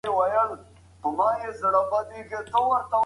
علم جهالت ختموي.